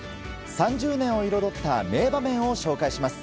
３０年を彩った名場面を紹介します。